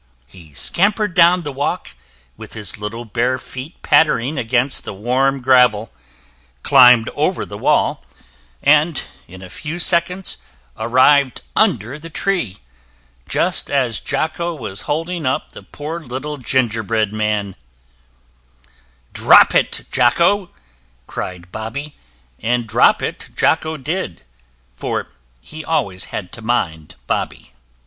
He scampered down the walk, with his little bare feet pattering against the warm gravel, climbed over the wall, and in a few seconds arrived under the tree, just as Jocko was holding up the poor little gingerbread man. "Drop it, Jocko!" cried Bobby, and drop it Jocko did, for he always had to mind Bobby.